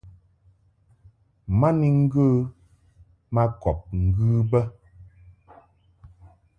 Ma ni ŋgə ma kɔb ŋgɨ bə.